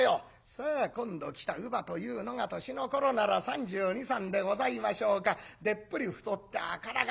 さあ今度来た乳母というのが年の頃なら３２３３でございましょうかでっぷり太った赤ら顔。